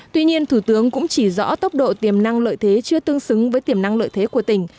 tuy nhiên thủ tướng cũng chỉ rõ tốc độ tiềm năng lợi thế chưa tương xứng với tiềm năng lợi thế của tỉnh